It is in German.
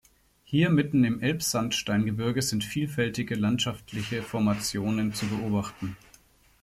Hier mitten im Elbsandsteingebirge sind vielfältige landschaftliche Formationen zu beobachten.